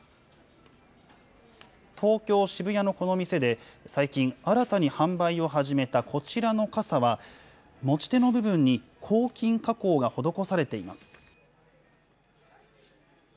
東京・渋谷のこの店で最近新たに販売を始めたこちらの傘は、持ち手の部分に抗菌加工が施されています。